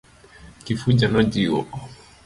Kifuja nojiwo.